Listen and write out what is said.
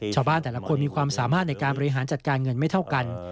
ชาวบ้านแต่ละคนมีความสามารถในการบริหารจัดการเงินไม่เท่ากัน